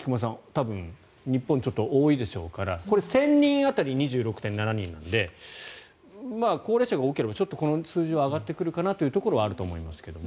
多分、日本はちょっと多いでしょうからこれ、１０００人当たり２６．７人なので高齢者が多ければこの数字は上がってくるかなというところはあると思いますが。